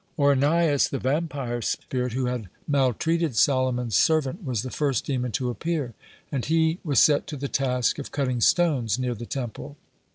Ornias, the vampire spirit who had maltreated Solomon's servant, was the first demon to appear, and he was set to the task of cutting stones near the Temple.